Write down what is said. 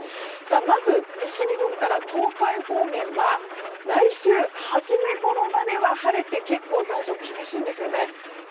まず、西日本から東海方面は来週初めごろまでは晴れて結構、残暑が厳しいんですよね。